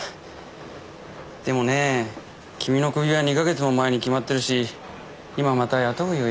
でもねぇ君のクビは２か月も前に決まってるし今また雇う余裕はないのよ。